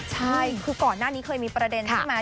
ใช่คือก่อนหน้านี้เคยมีประเด็นใช่ไหม